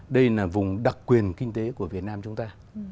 đây là vùng đặc quyền kinh tế của việt nam chúng ta